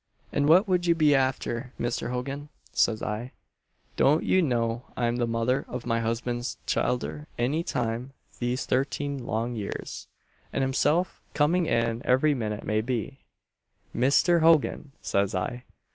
'And what would ye be after, Misther Hogan?' says I 'Don't you know I'm the mother of my husband's childer any time these thirteen long years and himself coming in every minute may be, Misther Hogan!' says I.